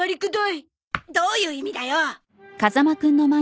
どういう意味だよ！